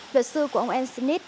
luật sư của ông ennis